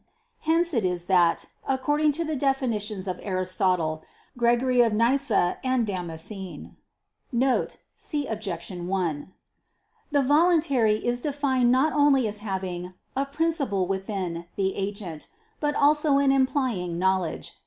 Hence it is that, according to the definitions of Aristotle, Gregory of Nyssa, and Damascene [*See Objection 1], the voluntary is defined not only as having "a principle within" the agent, but also as implying "knowledge."